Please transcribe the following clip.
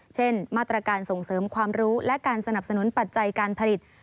เช่นมาตรการส่งเสริมความรู้และการสนับสนุนปัจจัยการผลิต